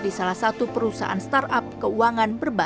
di salah satu perusahaan startup keuangan